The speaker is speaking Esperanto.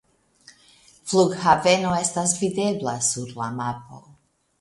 Flughaveno estas videbla sur la mapo.